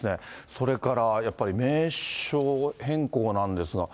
それからやっぱり名称変更なんですが。